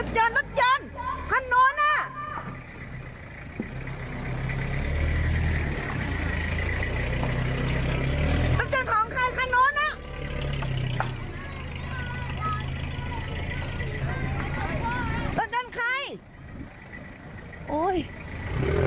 โอ้ยรักษณะรักษณะข้างโน้นอ่ะ